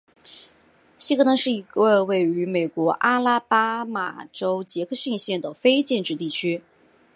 希格登是一个位于美国阿拉巴马州杰克逊县的非建制地区。